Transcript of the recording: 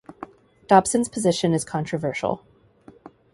Dobson's position is controversial.